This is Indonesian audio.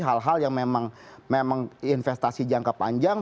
hal hal yang memang investasi jangka panjang